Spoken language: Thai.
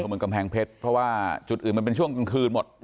เมืองกำแพงเพชรเพราะว่าจุดอื่นมันเป็นช่วงกลางคืนหมด